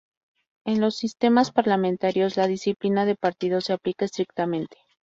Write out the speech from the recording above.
En los sistemas parlamentarios, la disciplina de partido se aplica estrictamente.